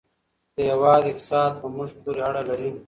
د هېواد اقتصاد په موږ پورې اړه لري.